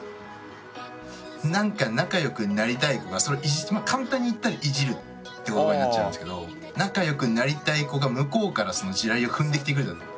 なんか仲良くなりたい子が簡単に言ったらいじるって言葉になっちゃうんですけど仲良くなりたい子が向こうからその地雷を踏んできてくれたとき。